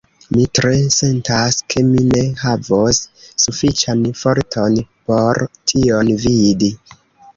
Mi tre sentas, ke mi ne havos sufiĉan forton por tion vidi.